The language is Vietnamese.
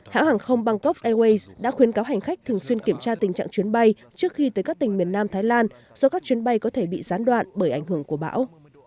hãng hàng không bangkok airways đã khuyến cáo hành khách thường xuyên kiểm tra tình trạng chuyến bay trước khi tới các tỉnh miền nam thái lan do các chuyến bay có thể bị gián đoạn bởi ảnh hưởng của bão